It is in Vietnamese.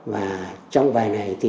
và trong vài ngày thì